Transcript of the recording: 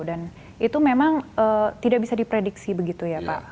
itu memang tidak bisa diprediksi begitu ya pak